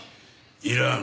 いらん。